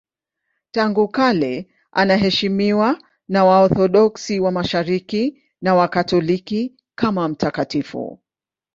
Tangu kale anaheshimiwa na Waorthodoksi wa Mashariki na Wakatoliki kama mtakatifu.